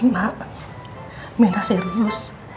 mak mina serius